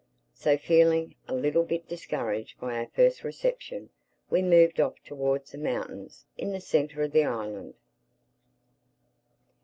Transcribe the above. So, feeling a little bit discouraged by our first reception, we moved off towards the mountains in the centre of the island.